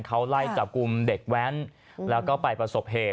เขาไล่จับกลุ่มเด็กแว้นแล้วก็ไปประสบเหตุ